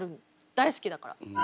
大好きだから。